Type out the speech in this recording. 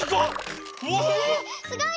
すごい！